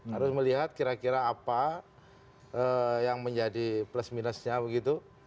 harus melihat kira kira apa yang menjadi plus minusnya begitu